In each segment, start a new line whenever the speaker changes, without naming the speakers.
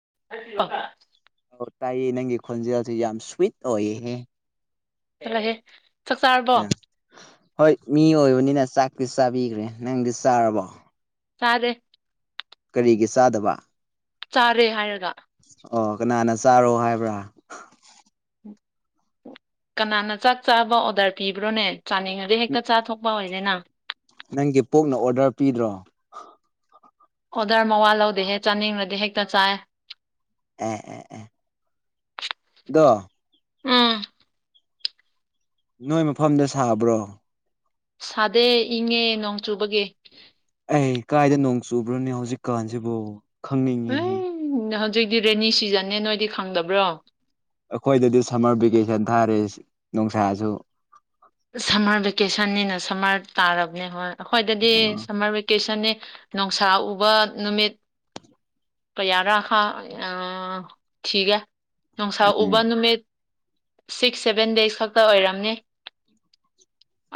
[unintelligible]
ꯑꯣ ꯇꯥꯏꯌꯦ ꯅꯪꯒꯤ ꯈꯣꯟꯖꯦꯜꯁꯤ ꯌꯥꯝ ꯁ꯭ꯋꯤꯠ ꯑꯣꯏꯍꯦ
ꯍꯍꯦ ꯆꯥꯛ ꯆꯥꯔꯕꯣ
ꯍꯣꯏ ꯃꯤ ꯑꯣꯏꯕꯅꯤꯅ ꯆꯥꯛꯇꯤ ꯆꯥꯕꯤꯈ꯭ꯔꯦ ꯅꯪꯗꯤ ꯆꯥꯔꯕꯣ
ꯁꯥꯔꯦ
ꯀꯔꯤꯒꯤ ꯆꯥꯗꯕ
ꯆꯥꯔꯦ ꯍꯥꯏꯔꯒ
ꯑꯣ ꯀꯅꯥꯅ ꯆꯥꯔꯣ ꯍꯥꯏꯕ꯭ꯔꯥ
ꯀꯅꯥꯅ ꯆꯥꯛ ꯆꯥꯕ ꯑꯣꯔꯗꯔ ꯄꯤꯕ꯭ꯔꯣꯅꯦ ꯆꯥꯅꯤꯡꯉꯗꯤ ꯍꯦꯛꯇ ꯆꯥꯊꯣꯛꯄ ꯑꯣꯏꯗꯦꯅ
ꯅꯪꯒꯤ ꯄꯣꯛꯅ ꯑꯣꯔꯗꯔ ꯄꯤꯗ꯭ꯔꯣ
ꯑꯣꯗꯔ ꯃꯋꯥ ꯂꯧꯗꯦꯍꯦ ꯆꯥꯅꯤꯡꯂꯗꯤ ꯍꯦꯛꯇ ꯆꯥꯏ
ꯑ ꯑ ꯗꯣ
ꯎꯝ
ꯅꯣꯏ ꯃꯐꯝꯗ ꯁꯥꯕ꯭ꯔꯣ
ꯁꯥꯗꯦ ꯏꯪꯉꯦ ꯅꯣꯡ ꯆꯨꯕꯒꯤ
ꯑꯩ ꯀꯥꯏꯗ ꯅꯣꯡ ꯆꯨꯕ꯭ꯔꯅꯦ ꯍꯧꯖꯤꯛꯀꯥꯟꯁꯤꯕꯨ ꯈꯪꯅꯤꯡꯉꯤꯍ
ꯎꯝ ꯍꯧꯖꯤꯛꯇꯤ ꯔꯦꯅꯤ ꯁꯤꯖꯟꯅꯦ ꯅꯣꯏꯗꯤ ꯈꯪꯗꯕ꯭ꯔꯣ
ꯑꯩꯈꯣꯏꯗꯗꯤ ꯁꯝꯃꯔ ꯚꯦꯀꯦꯁꯟ ꯊꯥꯔꯦ ꯅꯨꯡꯁꯥꯁꯨ
ꯁꯝꯃꯔ ꯚꯦꯀꯦꯁꯟꯅꯤꯅ ꯁꯝꯃꯔ ꯇꯥꯔꯕꯅꯦ ꯍꯣꯏ ꯑꯩꯈꯣꯏꯗꯗꯤ
ꯎꯝ
ꯁꯝꯃꯔ ꯚꯦꯀꯦꯁꯟꯅꯦ ꯅꯨꯡꯁꯥ ꯎꯕ ꯅꯨꯃꯤꯠ ꯀꯌꯥꯔꯥ ꯈꯥ ꯑ ꯊꯤ ꯒꯦ ꯅꯨꯡꯁꯥ ꯎꯕ ꯅꯨꯃꯤꯠ ꯁꯤꯛꯁ ꯁꯚꯦꯟ ꯗꯦꯖ ꯈꯛꯇ ꯑꯣꯏꯔꯝꯅꯤ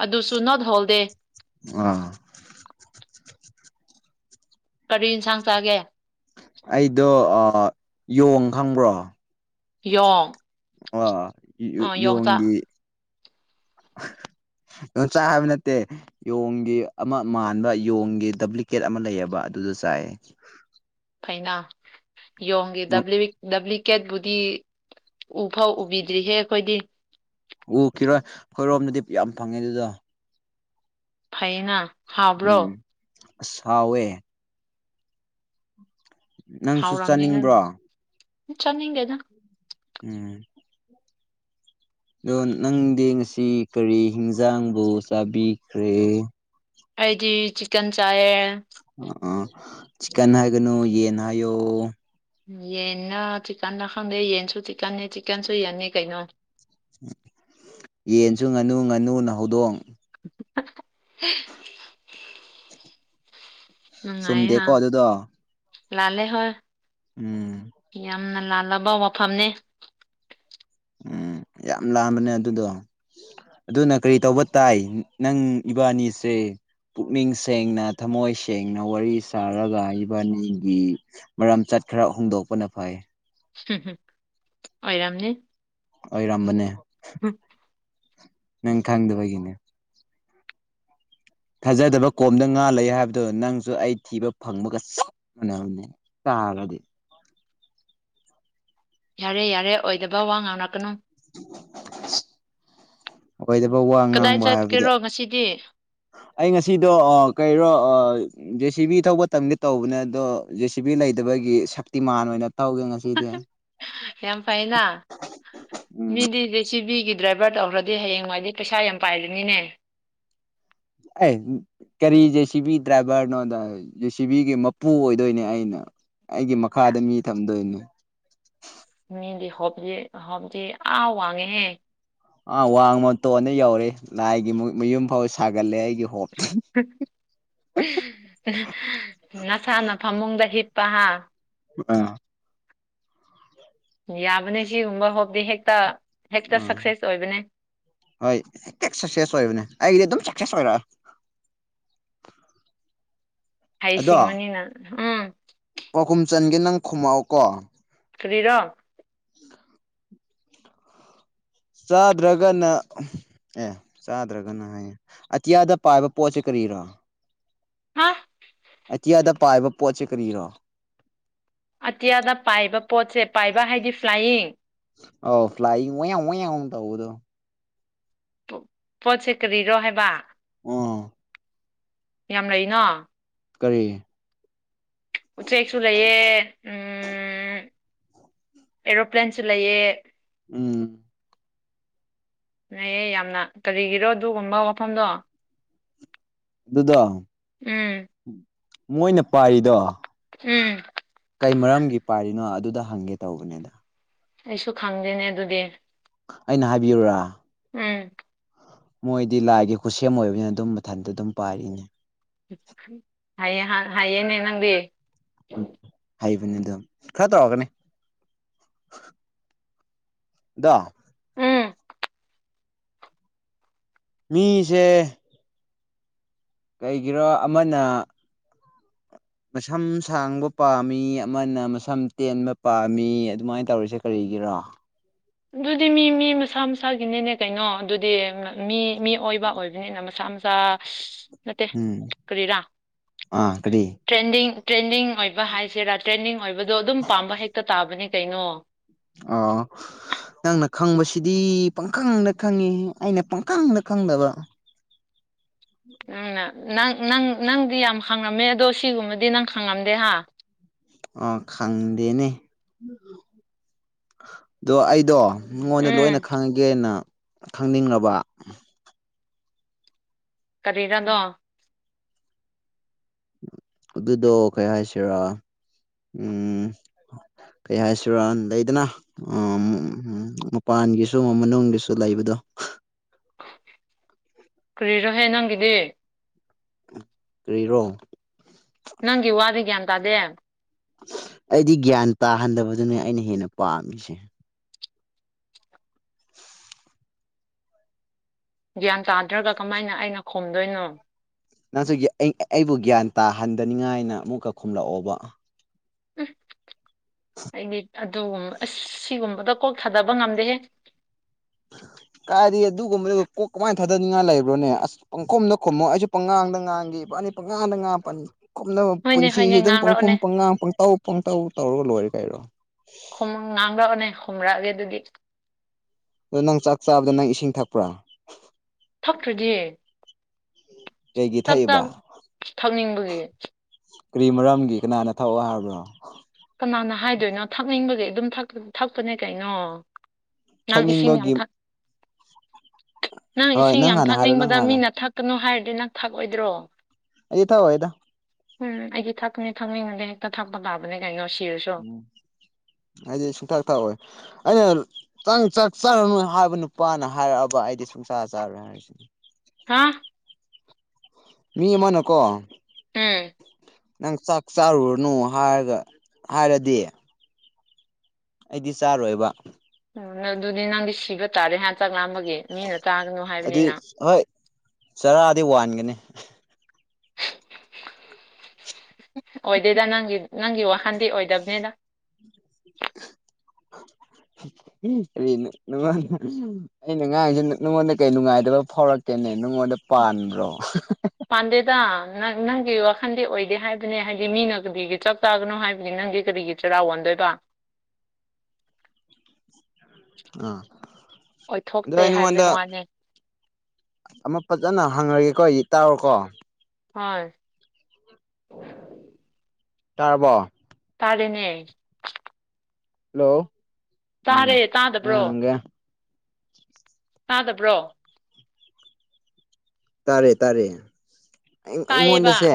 ꯑꯗꯨꯁꯨ ꯅꯣꯠ ꯍꯣꯜꯗꯦ
ꯑꯥ
ꯀꯔꯤ ꯏꯟꯁꯥꯡ ꯆꯥꯒꯦ
ꯑꯩꯗꯣ ꯌꯣꯡ ꯈꯪꯕ꯭ꯔꯣ
ꯌꯣꯡ
ꯋꯥ ꯌ
ꯑ ꯌꯣꯡꯆꯥꯛ
ꯌꯣꯡꯒꯤ ꯌꯣꯟꯆꯥꯛ ꯍꯥꯏꯕ ꯅꯠꯇꯦ ꯌꯣꯡꯒꯤ ꯑꯃ ꯃꯥꯟꯕ ꯌꯣꯡꯒꯤ ꯗꯨꯄ꯭ꯂꯤꯀꯦꯠ ꯑꯃ ꯂꯩꯌꯦꯕ ꯑꯗꯨꯗꯨ ꯆꯥꯏꯌꯦ
ꯑꯩꯅ ꯌꯣꯡꯒꯤ ꯗꯕ꯭ꯂꯤꯀꯦꯠꯕꯨꯗꯤ ꯎꯐꯥꯎ ꯎꯕꯤꯗ꯭ꯔꯤꯍꯦ ꯑꯩꯈꯣꯏꯗꯤ
ꯎꯈꯤꯔꯣꯏ ꯑꯩꯈꯣꯏꯔꯣꯝꯗꯗꯤ ꯌꯥꯝ ꯐꯪꯉꯦ ꯑꯗꯨꯗ
ꯐꯩꯅꯥ ꯍꯥꯥꯎꯕ꯭ꯔꯣ
ꯎꯝ ꯑꯁ ꯍꯥꯎꯋꯦ ꯅꯪꯁꯨ ꯆꯥꯅꯤꯡꯕ꯭ꯔꯣ
ꯆꯥꯅꯤꯡꯗꯦꯗꯥ
ꯎꯝ ꯑꯗꯣ ꯅꯪꯗꯤ ꯉꯁꯤ ꯀꯔꯤ ꯍꯤꯟꯖꯥꯡꯕꯨ ꯆꯥꯕꯤꯈ꯭ꯔꯦ
ꯑꯩꯗꯤ ꯆꯤꯛꯀꯟ ꯆꯥꯌꯦ
ꯑ ꯆꯤꯀꯟ ꯍꯥꯏꯒꯅꯨ ꯌꯦꯟ ꯍꯥꯏꯌꯣ
ꯌꯦꯟꯅ ꯆꯤꯛꯀꯟꯅ ꯈꯪꯗꯦ ꯌꯦꯟꯁꯨ ꯆꯤꯛꯀꯟꯅ ꯆꯤꯛꯀꯟꯁꯨ ꯌꯦꯟꯟꯅ ꯀꯩꯅꯣ
ꯌꯦꯟꯁꯨ ꯉꯥꯅꯨ ꯉꯥꯅꯨ ꯅ ꯍꯧꯗꯣꯡ
ꯍ
ꯆꯨꯝꯗꯦꯀꯣ ꯑꯗꯨꯗꯣ
ꯂꯥꯟꯂꯦꯍꯣꯏ
ꯎꯝ
ꯌꯥꯝꯅ ꯂꯥꯜꯂꯕ ꯋꯥꯐꯝꯅꯤ
ꯎꯝ ꯌꯥꯝ ꯂꯥꯥꯟꯕꯅꯦ ꯑꯗꯨꯗꯣ ꯑꯗꯨꯅ ꯀꯔꯤ ꯇꯧꯕ ꯇꯥꯏ ꯅꯪ ꯏꯕꯥꯅꯤꯁꯦ ꯄꯨꯛꯅꯤꯡ ꯁꯦꯡꯅ ꯊꯃꯣꯏ ꯁꯦꯡꯅ ꯋꯥꯔꯤ ꯁꯥꯔꯒ ꯏꯕꯥꯅꯤꯒꯤ ꯃꯔꯝ ꯆꯠ ꯈꯔ ꯍꯣꯡꯗꯣꯛꯄꯅ ꯐꯩ
ꯍꯝ ꯑꯣꯏꯔꯝꯅꯤ
ꯑꯣꯏꯔꯝꯕꯅꯦ ꯅꯪ ꯈꯪꯗꯕꯒꯤꯅꯦ ꯊꯥꯖꯗꯕ ꯀꯣꯝꯗ ꯉꯥ ꯂꯩ ꯍꯥꯏꯕꯗꯣ ꯅꯪꯁꯨ ꯑꯩ ꯊꯤꯕ ꯐꯪꯕꯒ ꯆꯞ ꯃꯥꯟꯅꯕꯅꯦ ꯇꯒꯗꯤ
ꯌꯥꯔꯦ ꯌꯥꯔꯦ ꯑꯣꯏꯗꯕ ꯋꯥ ꯉꯥꯡꯔꯛꯀꯅꯨ
ꯑꯣꯏꯗꯕ ꯋꯥ
ꯀꯗꯥꯏ
ꯉꯥꯡꯕ ꯍꯥꯏꯕꯗꯤ
ꯆꯠꯀꯦꯔꯣ ꯉꯁꯤꯗꯤ
ꯑꯩ ꯉꯁꯤꯗꯣ ꯀꯔꯣ ꯖꯦꯁꯤꯕꯤ ꯊꯧꯕ ꯇꯝꯒꯦ ꯇꯧꯕꯅꯦ ꯑꯗꯣ ꯖꯦꯁꯤꯕꯤ ꯂꯩ ꯍꯩꯇꯕꯒꯤ ꯁꯛꯇꯤꯃꯥꯟ ꯑꯣꯏꯅ ꯇꯧꯒꯦ ꯉꯁꯤꯗꯤ
ꯌꯥꯝ ꯐꯩꯅ
ꯎꯝ
ꯃꯤꯗꯤ ꯖꯦꯁꯤꯕꯤꯒꯤ ꯗ꯭ꯔꯥꯏꯚꯔ ꯇꯧꯈ꯭ꯔꯗꯤ ꯍꯌꯦꯡꯋꯥꯗꯤ ꯄꯩꯁꯥ ꯌꯥꯝ ꯄꯥꯏꯔꯅꯤꯅꯦ
ꯑꯦ ꯀꯔꯤ ꯖꯦ ꯁꯤꯕꯤ ꯗ꯭ꯔꯥꯏꯚꯔꯅꯣꯗ ꯖꯦ ꯁꯤ ꯕꯤꯒꯤ ꯃꯄꯨ ꯑꯣꯏꯗꯣꯏꯅꯦ ꯑꯩꯅ ꯑꯩꯒꯤ ꯃꯈꯥꯗ ꯃꯤ ꯊꯝꯗꯣꯏꯅꯤ
ꯃꯤꯗꯤ ꯍꯣꯞ ꯍꯞꯖꯦ ꯑ ꯋꯥꯉꯦꯍꯦ
ꯑꯥ ꯋꯥꯡꯃꯇꯣꯟꯅ ꯌꯧꯔꯦ ꯂꯥꯏꯒꯤ ꯃꯌꯨꯝ ꯐꯥꯎ ꯁꯥꯒꯠꯂꯦ ꯑꯩꯒꯤ ꯍꯣꯞ
ꯅꯁꯥꯅ ꯐꯃꯨꯡꯗ ꯍꯤꯄ ꯑꯥ
ꯑ
ꯌꯥꯕꯅꯦ ꯁꯤꯒꯨꯝꯕ ꯍꯣꯞꯇꯦ ꯍꯦꯛꯇ ꯍꯦꯛꯇ
ꯎꯝ
ꯁꯛꯁꯦꯁ ꯑꯣꯏꯕꯅꯦ
ꯍꯣꯏ ꯁꯛꯁꯦꯁ ꯑꯣꯏ ꯑ ꯑꯗꯨ ꯆ ꯁꯦꯁ ꯑꯣꯏꯔ
ꯍꯩꯁꯤꯡꯕꯅꯤꯅ ꯎꯝ
ꯄꯥꯎꯈꯨꯝ ꯆꯟꯒꯦ ꯅꯪ ꯈꯨꯝꯃꯛꯑꯣ ꯀꯣ
ꯀꯔꯤꯔꯣ
[unintelligible] ꯆꯥꯗ꯭ꯔꯒꯅ ꯑꯦ ꯆꯥꯗ꯭ꯔꯒꯅ ꯍꯥꯏꯌꯦ ꯑꯇꯤꯌꯥꯗ ꯄꯥꯏꯕ ꯄꯣꯠꯁꯦ ꯀꯔꯤꯔꯣ
ꯍꯥ
ꯑꯇꯤꯌꯥꯗ ꯄꯥꯏꯕ ꯄꯣꯠꯁꯦ ꯀꯔꯤꯔꯣ
ꯑꯇꯤꯌꯥꯗ ꯄꯥꯏꯕ ꯄꯣꯠꯁꯦ ꯄꯥꯏꯕ ꯍꯥꯏꯗꯤ ꯐ꯭ꯂꯥꯏꯌꯤꯡ
ꯑ ꯐ꯭ꯂꯥꯏ [unintelligible] ꯇꯧꯗꯣ
ꯄꯣꯠꯁꯦ ꯀꯔꯤꯔꯣ ꯍꯥꯏꯕ
ꯑꯣ
ꯌꯥꯝ ꯂꯩꯅ
ꯀꯔꯤ
ꯎꯆꯦꯛꯁꯨ ꯂꯩꯌꯦ ꯎꯝ ꯑꯦꯔꯣ ꯄ꯭ꯂ꯭ꯂꯟꯁ ꯂꯩꯌꯦꯦ
ꯎꯝ
ꯑꯦꯌꯦ ꯌꯥꯝꯅ ꯀꯔꯤꯒꯤꯔꯣ ꯑꯗꯨꯒꯨꯝꯕ ꯋꯥꯐꯝꯗꯣ
ꯑꯗꯨꯗꯣ
ꯎꯝ
ꯃꯣꯏꯅ ꯄꯥꯏꯔꯤꯗꯣ
ꯎꯝ
ꯀꯩ ꯃꯔꯝꯒꯤ ꯄꯥꯏꯔꯤꯅꯣ ꯑꯗꯨꯗ ꯍꯪꯒꯦ ꯇꯧꯕꯅꯦꯗ
ꯑꯩꯁꯨ ꯈꯪꯗꯦꯅꯦ ꯑꯗꯨꯗꯤ
ꯑꯩꯅ ꯍꯥꯏꯕꯤꯔꯨꯔꯥ
ꯎꯝ
ꯃꯣꯏꯗꯤ ꯂꯥꯏꯒꯤ ꯈꯨꯠꯁꯦꯝ ꯑꯣꯏꯕꯅꯤꯅ ꯑꯗꯨꯝ ꯃꯊꯟꯇ ꯑꯗꯨꯝ ꯄꯥꯏꯔꯤꯅꯦ
ꯍꯥꯏꯌꯦ ꯍꯥꯏꯌꯦꯅꯦ ꯅꯪꯗꯤ
ꯎꯝ ꯍꯥꯏꯕꯅꯦ ꯑꯗꯨꯗꯣ ꯈꯔ ꯇꯧꯔꯒꯅꯦ ꯗꯣ
ꯎꯝ
ꯃꯤꯁꯦ ꯀꯩꯒꯤꯔ ꯑꯃꯅ ꯃꯁꯝ ꯁꯥꯡꯕ ꯄꯥꯝꯃꯤ ꯑꯃꯅ ꯃꯁꯝ ꯇꯦꯟꯕ ꯄꯥꯝꯃꯤ ꯑꯗꯨꯃꯥꯏꯅ ꯇꯧꯔꯤꯁꯦ ꯀꯔꯤ ꯂꯩꯒꯔ
ꯑꯗꯨꯗꯤ ꯃꯤ ꯃꯤ ꯃꯁꯥ ꯃꯁꯥꯒꯤꯅꯤꯅꯦ ꯀꯩꯅꯣ ꯑꯗꯨꯗꯤ ꯃꯤ ꯃꯤ ꯑꯣꯏꯕ ꯑꯣꯏꯕꯅꯤꯅ ꯃꯁꯥ ꯅꯠꯇꯦ
ꯎꯝ
ꯀꯔꯤꯔꯥ
ꯑꯥ ꯀꯔꯤ
ꯇ꯭ꯔꯦꯟꯗꯤꯡ ꯇ꯭ꯔꯦꯟꯗꯤꯡ ꯑꯣꯏꯕ ꯍꯥꯏꯁꯤꯔꯥ ꯇ꯭ꯔꯦꯟꯗꯤꯡ ꯑꯣꯏꯕꯗꯣ ꯑꯗꯨꯝ ꯄꯥꯝꯕ ꯍꯦꯛꯇ ꯇꯥꯕꯅꯤ ꯀꯩꯅꯣ
ꯑ ꯅꯪꯅ ꯈꯪꯕꯁꯤꯗꯤ ꯄꯪꯈꯪꯗ ꯈꯪꯉꯤ ꯑꯩꯅ ꯄꯪꯈꯪꯗ ꯈꯪꯗꯕ
[inaudible] ꯅꯪꯅ ꯅꯪ ꯅꯪ ꯅꯪꯗꯤ ꯌꯥꯝ ꯈꯪꯉꯝꯃꯦ ꯑꯗꯣ ꯁꯤꯒꯨꯝꯕꯗꯤ ꯅꯪ ꯈꯪꯉꯝꯗꯦ ꯍꯥ
ꯑ ꯈꯪꯗꯦꯅꯦ ꯑꯗꯣ ꯑꯩꯗꯣ ꯅꯉꯣꯟꯗ
ꯎꯝ
ꯂꯣꯏꯅ ꯈꯪꯒꯦꯅ ꯈꯪꯅꯤꯡꯕ
ꯀꯔꯤꯔꯗ
ꯑꯗꯨꯗꯣ ꯀꯩ ꯍꯥꯏꯁꯤꯔꯥ ꯎꯝ ꯀꯩ ꯍꯥꯏꯁꯤꯔ ꯂꯩꯗꯅ ꯎ ꯃꯄꯥꯟꯒꯤꯁꯨ ꯃꯅꯨꯡꯒꯤꯁꯨ ꯂꯩꯕꯗꯣ
ꯀꯔꯤꯔꯍꯦ ꯅꯪꯒꯤꯗꯤ
ꯀꯔꯤꯔꯣꯡ
ꯇꯗꯦ
ꯑꯩꯗꯤ ꯒ꯭ꯌꯥꯟ ꯇꯥꯍꯟꯗꯕꯗꯨꯅꯦ ꯑꯩꯅ ꯍꯦꯟꯅ ꯄꯥꯝꯃꯤꯁꯦ
ꯒ꯭ꯌꯥꯟ ꯆꯥꯗ꯭ꯔꯒ ꯀꯃꯥꯏꯅ ꯑꯩꯅ ꯈꯣꯝꯗꯣꯏꯅꯣ
ꯅꯁꯨ ꯑꯩꯕꯨ ꯒ꯭ꯌꯥꯟ ꯇꯥꯍꯟꯗꯅꯤꯉꯥꯏꯅ ꯑꯃꯨꯛꯀ ꯈꯨꯝꯂꯛꯑꯣꯕ
ꯎ ꯑꯩꯗꯤ ꯑꯗꯨꯒꯨꯝꯕ ꯑꯁ ꯁꯤꯒꯨꯝꯕꯗ ꯀꯣꯛ ꯊꯥꯗꯕ ꯉꯝꯗꯦꯍꯦ
ꯐ ꯀꯥꯏꯗꯩꯩ ꯑꯗꯨꯒꯨꯝꯕꯗꯨ ꯀꯣꯛ ꯀꯃꯥꯏꯅ ꯊꯥꯗꯅꯤꯡꯉꯥꯏ ꯂꯩꯕ꯭ꯔꯣꯅꯦ ꯑꯁ ꯄꯪꯈꯣꯝꯗ ꯈꯣꯨꯝꯃꯣ ꯑꯩꯁꯨ ꯄꯪꯉꯥꯡꯗ ꯉꯥꯡꯒꯦ ꯅꯤ ꯄꯉꯥꯗ ꯉꯥ ꯄꯅꯤ ꯀꯨꯞꯅꯕ
ꯍꯣꯏꯅꯦ ꯍꯣꯏꯅꯦ
ꯄꯨꯟꯁꯤꯁꯤ ꯑꯗꯨꯝ ꯄꯪꯈꯨꯝ
ꯉꯥꯡꯔꯛꯑꯣꯅꯦ
ꯄꯪꯉꯥꯡ ꯄꯪꯇꯧ ꯄꯪꯇꯧ ꯇꯧꯔꯒ ꯂꯣꯏꯔꯦ ꯀꯥꯏꯔꯣ
ꯉꯥꯡꯂꯛꯑꯣꯅꯦ ꯈꯨꯝꯔꯛꯑꯒꯦ ꯑꯗꯨꯗꯤ
ꯑꯗꯣ ꯅꯪ ꯆꯥꯛ ꯆꯥꯕꯗ ꯅꯪ ꯏꯁꯤꯡ ꯊꯛꯄ꯭ꯔꯥ
ꯊꯛꯇ꯭ꯔꯗꯤ
ꯀꯩꯒꯤ
ꯆꯥꯛ ꯆ
ꯊꯛꯏꯕ
ꯊꯛꯅꯤꯡꯕꯒꯤ
ꯀꯔꯤ ꯃꯔꯝꯒꯤ ꯀꯅꯥꯅ ꯊꯛꯑꯣ ꯍꯥꯏꯕ꯭ꯔꯣ
ꯀꯩꯗꯩꯅꯣ ꯊꯛꯅꯤꯡꯕꯒꯤ ꯑꯗꯨꯝ ꯊꯛꯄꯅꯦ ꯀꯩꯅꯣ ꯅꯪ ꯏꯁꯤꯡ ꯌꯥꯝ
ꯊꯛꯅꯤꯡꯕꯒꯤ
ꯊꯛ ꯅꯪ
ꯍꯣꯏ
ꯏꯁꯤꯡ ꯌꯥꯝ
ꯍꯥꯟꯅ ꯍꯥꯏꯔꯣ ꯅꯪ
ꯊꯛꯅꯤꯡꯕꯗ
ꯍꯥꯟꯅ
ꯃꯤꯅ ꯊꯛꯀꯅꯨ ꯍꯥꯏꯔꯗꯤ ꯅꯪ ꯊꯛꯑꯣꯏꯗ꯭ꯔꯣ
ꯑꯩ ꯊꯛꯑꯣꯏꯗ
ꯎꯝ ꯑꯩꯗꯤ ꯊꯛꯀꯅꯤ ꯊꯛꯅꯤꯡꯉꯗꯤ ꯍꯦꯛꯇ ꯊꯛꯄ ꯇꯥꯕꯅꯦ ꯀꯩꯅꯣ ꯁꯤꯔꯁꯨ
ꯎꯝ ꯑꯩꯗꯤ ꯁꯨꯡꯊꯥꯛ ꯊꯥꯛꯑꯣ ꯑꯩꯅ ꯆꯪ ꯆꯥꯛ ꯆꯥꯔꯅꯣꯏ ꯍꯥꯏꯕ ꯅꯨꯄꯥꯅ ꯍꯥꯏꯔꯛꯑꯕ ꯑꯩꯗꯤ ꯁꯨꯡꯁꯥ ꯆꯥꯔꯣꯏ ꯍꯥꯏꯔꯤꯁꯤꯅꯦ
ꯍꯥ
ꯃꯤ ꯑꯃꯅꯀꯣ
ꯍꯝ
ꯅꯪ ꯆꯥꯛ ꯆꯥꯔꯨꯔꯨꯅꯨ ꯍꯥꯏꯔꯒ ꯍꯥꯏꯔꯗꯤ ꯑꯩꯗꯤ ꯆꯥꯔꯣꯏꯕ
ꯎꯝ ꯑꯗꯨꯗꯤ ꯅꯪꯗꯤ ꯁꯤꯕ ꯇꯥꯔꯦ ꯍꯥꯟ ꯆꯥꯛ ꯂꯥꯝꯕꯒꯤ ꯃꯤꯅ ꯇꯥꯒꯅꯨ
ꯑꯗꯨ
ꯍꯥꯏꯕꯅꯤꯅ
ꯍꯣꯏ ꯆꯔꯥꯗꯤ ꯋꯥꯟꯒꯅꯤ
ꯑꯣꯏꯗꯦꯗ ꯅꯪ ꯅꯪꯒꯤ ꯋꯥꯈꯟꯗꯤ ꯑꯣꯏꯗꯕꯅꯤꯗ
ꯀꯔꯤ ꯑꯩꯅ ꯑ ꯉꯥꯡꯉꯤꯁꯦ ꯅꯉꯣꯟꯗ ꯀꯩ ꯅꯨꯡꯉꯥꯏꯗꯕ ꯐꯥꯎꯔꯛꯀꯦꯅꯦ ꯅꯉꯣꯟꯗ ꯄꯥꯟꯕ꯭ꯔꯣ
ꯄꯥꯟꯗꯦꯗ ꯅꯪ ꯅꯪꯒꯤ ꯋꯥꯈꯟꯗꯤ ꯑꯣꯏꯗꯦ ꯍꯥꯏꯕꯅꯦ ꯍꯥꯏꯗꯤ ꯃꯤꯅ ꯀꯔꯤꯒꯤ ꯆꯥꯛ ꯆꯥꯒꯅꯣ ꯍꯥꯏꯕꯒꯤ ꯅꯪꯒꯤ ꯀꯔꯤꯒꯤ ꯆꯔꯥ ꯋꯥꯟꯗꯣꯏꯅꯣ ꯀ
ꯑꯥ ꯑꯗꯣ
ꯑꯣꯏꯊꯣꯛꯇꯦ
ꯑꯩ
ꯍꯥꯏꯕꯗꯤ
ꯅꯉꯣꯟꯗ
ꯋꯥꯅꯤ
ꯑꯃ ꯐꯖꯅ ꯍꯪꯉꯒꯦꯀꯣ ꯑꯩ ꯇꯥꯔꯣꯀꯣ
ꯍꯣꯏ
ꯇꯥꯔꯕꯣ
ꯇꯥꯔꯅꯦ
ꯍꯜꯂꯣ ꯎꯝ ꯑꯩ
ꯇꯥꯗꯕ꯭ꯔꯣ
ꯍꯥꯪꯒꯦ
ꯇꯥꯗꯕꯔꯣ
ꯇꯥꯔꯦ ꯇꯥꯔꯦ
ꯇꯥꯏꯌꯦꯕ
ꯑꯩꯉꯣꯟꯗꯁꯦ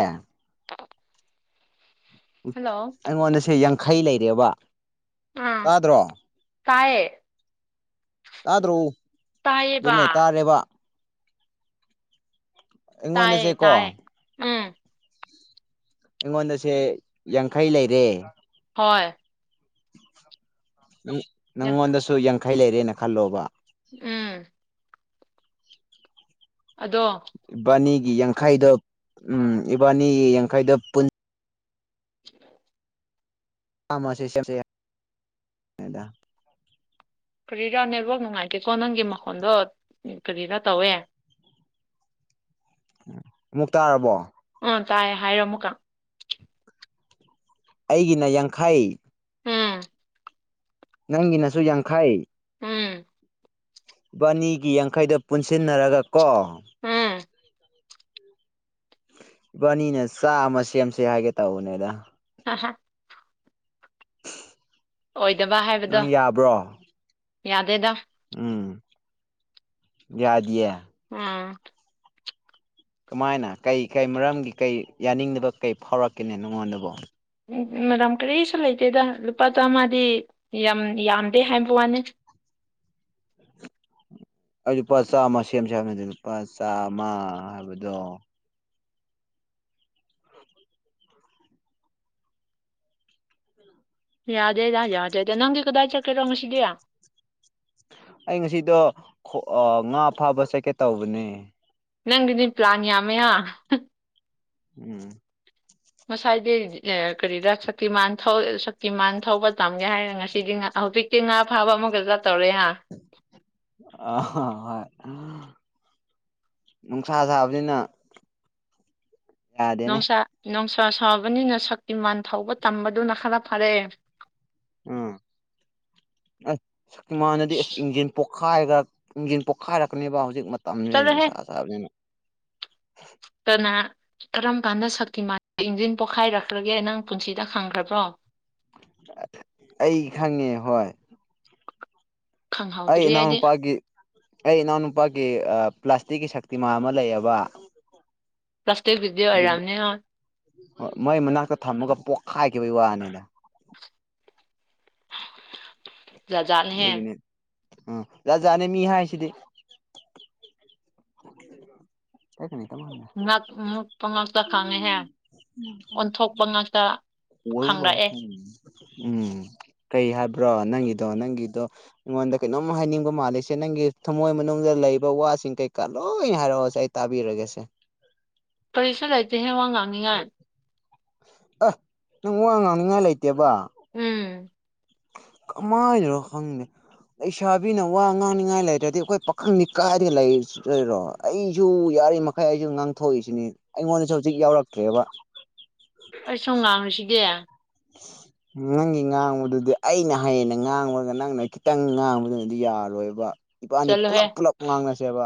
ꯍꯜꯂꯣ
ꯑꯩꯉꯣꯟꯗꯁꯦ ꯌꯥꯡꯈꯩ ꯂꯩꯔꯦꯕ ꯇꯥꯗ꯭ꯔꯣ
ꯇꯥꯌꯦ
ꯇꯥꯗ꯭ꯔꯣ ꯑꯗꯨꯅꯦ ꯇꯥꯔꯦꯕ
ꯇꯥꯌꯦ
ꯑꯩꯉꯣꯟꯗꯁꯦ
ꯇꯥꯌꯦ
ꯀꯣ
ꯎꯝ
ꯑꯩꯉꯣꯟꯗꯁꯦ ꯌꯥꯡꯈꯩ ꯂꯩꯔꯦ
ꯍꯣꯏ
ꯅꯪꯉꯣꯟꯗꯁꯨ ꯌꯥꯡꯈꯩ ꯂꯩꯔꯦꯅ ꯈꯜꯂꯣꯕ
ꯎꯝ ꯑꯗꯣ
ꯌꯥꯡꯈꯩꯗ ꯎꯝ ꯏꯕꯥꯅꯤ ꯌꯥꯡꯈꯩꯗ ꯄꯨꯟ
[inaudible]
ꯑꯁꯗ [unintelligible]
ꯀꯔꯤꯔꯥ ꯅꯦꯠꯋꯥꯛ ꯅꯨꯡꯉꯥꯏꯇꯦꯀꯣ ꯅꯪꯒꯤ ꯃꯈꯣꯟꯗꯣ ꯀꯔꯤꯔꯥ ꯇꯧꯋꯦ
ꯑꯃꯨꯛ ꯇꯥꯔꯕꯣ
ꯎꯝ ꯇꯥꯏ ꯍꯥꯏꯔꯣ ꯑꯃꯨꯀ
ꯑꯩꯒꯤꯅ ꯌꯥꯡꯈꯩ
ꯎꯝ
ꯅꯪꯒꯤꯅꯁꯨ ꯌꯥꯡꯈꯩ
ꯎꯝ
ꯕꯥꯅꯤꯒꯤ ꯌꯥꯡꯈꯩꯗ ꯄꯨꯟꯁꯤꯟꯅꯔꯒ ꯀꯣ
ꯎꯝ
ꯏꯕꯥꯅꯤꯅ ꯆꯥ ꯑꯃ ꯁꯦꯝꯁꯦ ꯍꯥꯏꯒꯦ ꯇꯧꯕꯅꯦꯗ
ꯑꯍꯥ ꯑꯣꯏꯗꯕ ꯍꯥꯏꯕꯗꯣ
ꯅꯪ ꯌꯥꯕ꯭ꯔꯣ
ꯌꯥꯗꯦꯗ
ꯎꯝ ꯌꯥꯗꯦ
ꯑꯥ
ꯀꯃꯥꯏꯅ ꯀꯩ ꯀꯩ ꯃꯔꯝꯒꯤ ꯀꯩ ꯌꯥꯅꯤꯡꯗꯕ ꯀꯩ ꯐꯥꯎꯔꯛꯀꯅꯤ ꯅꯉꯣꯟꯗꯕꯨꯣ
ꯎꯝ ꯃꯦꯗꯥꯝ ꯀꯔꯤꯁꯨ ꯂꯩꯇꯦꯗ ꯂꯨꯄꯥ ꯆꯥꯝꯃꯥꯗꯤ ꯌꯥꯝ ꯌꯥꯝꯗꯦ ꯍꯥꯏꯕ ꯋꯥꯅꯤ [inaudible]
ꯑꯩ ꯂꯨꯄꯥ ꯆꯥꯝꯃ ꯁꯦꯝꯁꯦ ꯍꯥꯏꯕꯅꯤꯗ ꯂꯨꯄꯥ ꯆꯥꯝꯃ ꯍꯥꯏꯕꯗꯣ
ꯌꯥꯗꯦꯗ ꯌꯥꯗꯦꯗ ꯅꯪꯗꯤ ꯀꯗꯥꯏ ꯆꯠꯀꯦꯔꯣ ꯉꯁꯤꯒꯦ
ꯑꯩ ꯉꯁꯤꯗꯣ ꯉꯥ ꯐꯥꯕ ꯆꯠꯀꯦ ꯇꯧꯕꯅꯦ
ꯅꯪꯗꯤ ꯄ꯭ꯂꯥꯟ ꯌꯥꯃꯌꯥꯥ
ꯎꯝ
ꯉꯁꯥꯏꯗꯤ ꯀꯔꯤꯗ ꯁꯛꯇꯤꯃꯥꯟ ꯁꯛꯇꯤꯃꯥꯟ ꯊꯧꯕ ꯇꯝꯒꯦ ꯍꯥꯏꯔꯒ ꯉꯁꯤꯗꯤ ꯑꯍ ꯄꯤꯛꯇꯦ ꯉꯥ ꯐꯥꯕ ꯑꯃꯨꯒꯖꯠ
ꯑ ꯍꯣꯏ ꯅꯨꯡꯁꯥ ꯁꯥꯕꯅꯤꯅ ꯌꯥꯗꯦꯅꯦ
ꯅꯨꯡꯁꯥ ꯅꯨꯡꯁꯥ ꯁꯥꯕꯅꯤꯅ ꯁꯛꯇꯤꯃꯥꯟ ꯊꯧꯕ ꯇꯝꯕꯗꯨꯅ ꯈꯔ ꯐꯔꯛꯑꯦ
ꯎꯝ ꯑꯁ ꯃꯥꯟꯅꯗꯤ ꯑꯁ ꯏꯟꯖꯦꯟ ꯄꯣꯛ ꯄꯣꯛꯈꯥꯏꯈ꯭ꯔ ꯏꯤꯡꯖꯤꯟ ꯄꯣꯛꯈꯥꯏꯔꯛꯀꯅꯦꯕ ꯍꯧꯖꯤꯛ ꯃꯇꯝꯁꯤꯅ
ꯆꯠꯂꯣꯍꯦ
ꯅꯨꯡꯁꯥ ꯆꯥꯕꯅꯤꯅ
ꯀꯅꯥ ꯀꯔꯝ ꯀꯥꯟꯗ ꯁꯛꯇꯤꯥꯟ ꯏꯟꯖꯤꯟ ꯄꯣꯛꯈꯥꯏꯔꯛꯈ꯭ꯔꯒꯦ ꯅꯪ ꯄꯨꯟꯁꯤꯗ ꯈꯪꯈ꯭ꯔꯕ꯭ꯔꯣ
ꯑꯩ ꯈꯪꯉꯦ ꯍꯣꯏ ꯑꯩ
ꯈꯪꯍꯧꯗ꯭ꯔꯤ
ꯅꯥꯟ
ꯑꯩꯗꯤ
ꯄꯒꯤꯒꯤ ꯑꯩ ꯏꯅꯥꯎꯅꯨꯄꯥꯒꯤ ꯄ꯭ꯂꯥꯁꯇꯤꯛꯀꯤ ꯁꯛꯇꯤꯃ ꯑꯃ ꯂꯩꯌꯦꯕ
ꯄ꯭ꯂꯥꯁꯇꯛ ꯕꯤꯗꯤ ꯍꯥꯏꯔ ꯑꯃꯅꯤꯅꯤ
ꯍꯣꯏ ꯃꯣꯏ ꯃꯅꯥꯛꯇ ꯊꯝꯃꯒ ꯄꯣꯛꯈꯥꯏꯈꯤꯕꯒꯤ ꯋꯥꯅꯤꯗ
ꯂꯖꯅꯦꯍꯦ
ꯎꯝ ꯌꯥꯖꯅꯦ ꯃꯤ ꯍꯥꯏ ꯁꯤꯗꯤ ꯀꯅꯤ
ꯅ ꯄꯉꯁꯇ ꯈꯥꯉꯦ ꯍꯥꯏ
ꯍꯣꯏ ꯂ
ꯈꯪꯔꯛꯑꯦ
ꯎꯝ ꯀꯩ ꯍꯥꯏꯕ꯭ꯔꯣ ꯅꯪꯒꯤꯗꯣ ꯅꯪꯒꯤꯗꯣ ꯑꯩꯉꯣꯟꯗ ꯀꯩꯅꯣꯝ ꯍꯥꯏꯅꯤꯡꯕ ꯃꯥꯜꯂꯤꯁꯦ ꯅꯪꯒꯤ ꯊꯝꯃꯣꯏ ꯃꯅꯨꯡꯗ ꯂꯩꯕ ꯋꯥꯁꯤꯡ ꯀꯩꯀꯥ ꯂꯣꯏ ꯍꯥꯏꯔꯛꯑꯣꯁꯦ ꯑꯩ ꯇꯥꯕꯤꯔꯒꯦꯁꯦ
ꯄꯔꯤꯁꯥ ꯂꯩꯥꯏꯇꯍꯦ ꯋꯥ ꯉꯥꯡꯉꯤꯉ
ꯑꯁ ꯅꯪ ꯋꯥ ꯉꯥꯡꯅꯤꯡꯉꯥꯏ ꯂꯩꯇꯦꯕ
ꯎꯝ
ꯀꯃꯥꯏꯅꯣ ꯈꯪꯗꯦ ꯂꯩꯁꯥꯕꯤꯅ ꯋꯥ ꯉꯥꯡꯅꯤꯡꯉꯥꯏ ꯂꯩꯔ꯭ꯔꯗꯤ ꯑꯩꯈꯣꯏ ꯄꯥꯈꯪꯅꯤ ꯀꯥꯏꯗꯅ ꯂꯩꯔꯣ ꯑꯩꯁꯨ ꯒꯥꯔꯤ ꯃꯈꯩ ꯑꯩꯁꯨ ꯉꯥꯡꯊꯣꯛꯏꯁꯤꯅꯦ ꯑꯩꯉꯣꯟꯗꯁꯨ ꯍꯧꯖꯤꯛ ꯌꯥꯎꯔꯛꯇ꯭ꯔꯦꯕ
ꯑꯩ ꯁꯨꯝ ꯉꯥꯡꯉꯨꯁꯤꯒꯦ
ꯅꯪꯒꯤ ꯉꯥꯡꯕꯗꯨꯗꯤ ꯑꯩꯅ ꯍꯌꯦꯦꯟꯅ ꯉꯥꯡꯕꯒ ꯅꯪꯅ ꯈꯤꯇꯪ ꯉꯥꯡꯕꯗꯨꯅꯗꯤ ꯌꯥꯔꯣꯏꯕ ꯏꯄꯥꯅꯤ
ꯆꯠꯂꯣꯍꯦ
ꯄꯨꯂꯞ ꯄꯨꯂꯞ ꯉꯥꯡꯅꯁꯦꯕ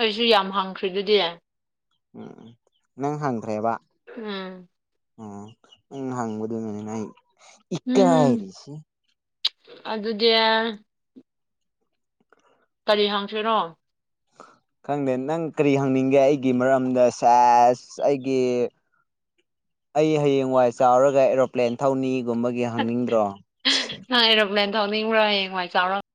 ꯑꯩꯁꯨ ꯌꯥꯝ ꯍꯪꯈ꯭ꯔꯤ ꯑꯗꯨꯗꯤ
ꯎꯝ ꯅꯪ ꯍꯪꯗ꯭ꯔꯦꯕ
ꯎꯝ
ꯑꯣ ꯎꯝ ꯍꯪꯕꯗꯤꯅꯤ ꯏꯀꯥꯏꯔꯤꯁꯤ
ꯑꯗꯨꯗꯦ ꯀꯔꯤ ꯍꯉꯁꯤꯔꯣ
ꯈꯪꯗꯦ ꯅꯪ ꯀꯔꯤ ꯍꯪꯅꯤꯡꯒꯦ ꯑꯩꯒꯤ ꯃꯔꯝꯗ ꯁꯦꯁ ꯑꯩꯒꯤ꯫ ꯑꯩ ꯍꯌꯦꯡꯋꯥꯏ ꯆꯥꯎꯔꯒ ꯑꯦꯔꯣꯄ꯭ꯂꯦꯟ ꯊꯧꯅꯤ ꯨꯝꯕꯒꯤ ꯍꯪꯅꯤꯡꯗ꯭ꯔꯣ
ꯀꯝꯄ꯭ꯂꯦꯟ ꯊꯧꯅꯤꯡꯕ꯭ꯔ ꯍꯌꯦꯡꯋꯥꯏ ꯆꯥꯎꯔ